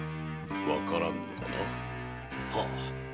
わからぬのだな？